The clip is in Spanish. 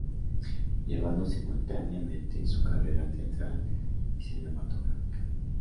Llevando simultáneamente su carrera teatral y cinematográfica.